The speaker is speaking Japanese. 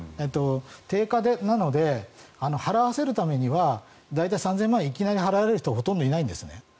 定価なので払わせるためには大体３０００万円いきなり払える人はいないんですね。